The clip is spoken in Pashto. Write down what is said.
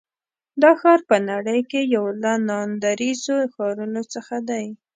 دا ښار په نړۍ کې یو له ناندرییزو ښارونو څخه دی.